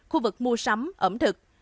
khu vực mua sắm ẩm thực